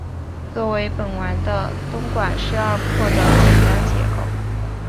作为本丸的东馆是二廓的简单结构。